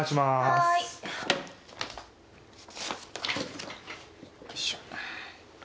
はーい。よいしょ。